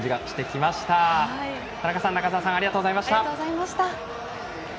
田中さん、中澤さんありがとうございました。